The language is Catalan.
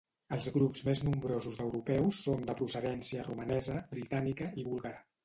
Els grups més nombrosos d’europeus són de procedència romanesa, britànica i búlgara.